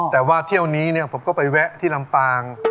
แต่ว่าเที่ยวนี้ผมก็ไปแวะที่ลำปาง